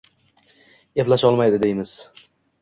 «eplasholmaydi», deymiz